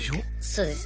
そうです。